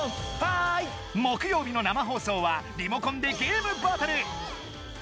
木曜日の生放送はリモコンでゲームバトル！